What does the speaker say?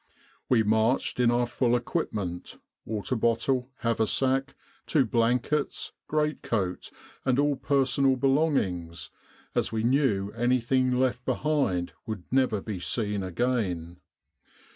We marched in our full equipment water bottle, haversack, two blankets, greatcoat, and all personal belongings, as we knew anything left behind would never be seen again.